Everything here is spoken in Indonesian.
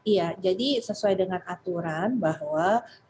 iya jadi sesuai dengan aturan bahwa